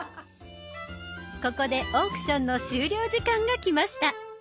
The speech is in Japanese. ここでオークションの終了時間が来ました。